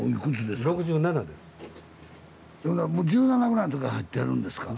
１７ぐらいの時から入ってるんですか？